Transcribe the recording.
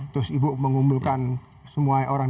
terus ibu mengumpulkan semua orang